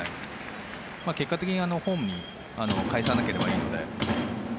結果的にホームにかえさなければいいので。